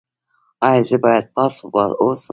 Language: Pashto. ایا زه باید پاس اوسم؟